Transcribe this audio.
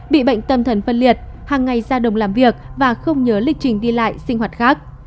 bị bệnh tâm thần phân liệt hàng ngày ra đồng làm việc và không nhớ lịch trình đi lại sinh hoạt khác